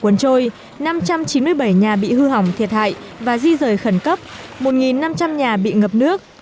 cuốn trôi năm trăm chín mươi bảy nhà bị hư hỏng thiệt hại và di rời khẩn cấp một năm trăm linh nhà bị ngập nước